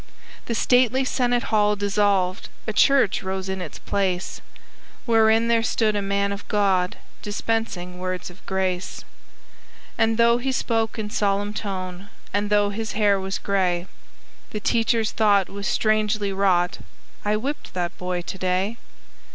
The stately Senate hall dissolved, A church rose in its place, Wherein there stood a man of God, Dispensing words of grace. And though he spoke in solemn tone, And though his hair was gray, The teacher's thought was strangely wrought "I whipped that boy to day."